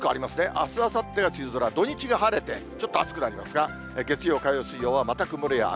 あす、あさっては梅雨空、土日が晴れてちょっと暑くなりますが、月曜、火曜、水曜はまた曇りや雨。